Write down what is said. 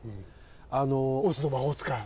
オズの魔法使い？